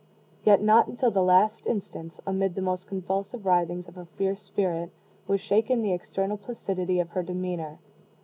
Yet not until the last instance, amid the most convulsive writhings of her fierce spirit, was shaken the external placidity of her demeanor.